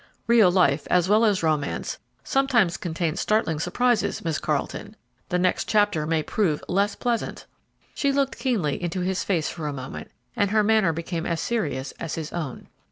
"Real life, as well as romance, sometimes contains startling surprises, Miss Carleton. The next chapter might prove less pleasant." She looked keenly into his face for a moment, and her manner became as serious as his own.